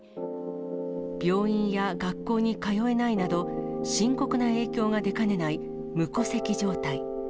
病院や学校に通えないなど、深刻な影響が出かねない無戸籍状態。